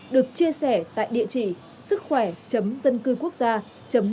được chia sẻ tại địa chỉ sứckhoẻ dâncưquốc gia gov vn